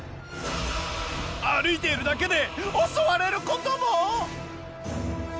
歩いているだけで襲われることも！？